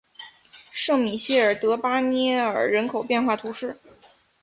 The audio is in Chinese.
圣米歇尔德巴涅尔人口变化图示